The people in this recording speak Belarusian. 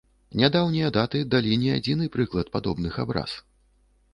Нядаўнія даты далі не адзіны прыклад падобных абраз.